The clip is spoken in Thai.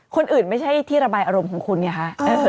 คนอื่นไม่ใช่ที่ระบายอารมณ์ของคุณเนี่ยค่ะ